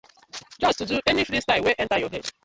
Just do any freestyle wey enter yur head.